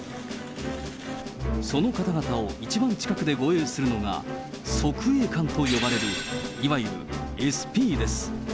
その方々を一番近くで護衛するのが、側衛官と呼ばれるいわゆるＳＰです。